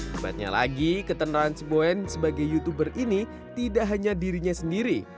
kebetulannya lagi ketentuan si boen sebagai youtuber ini tidak hanya dirinya sendiri